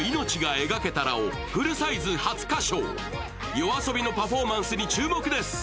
ＹＯＡＳＯＢＩのパフォーマンスに注目です。